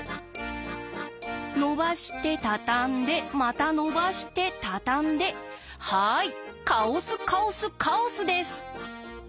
のばして畳んでまたのばして畳んではいカオスカオスカオスです！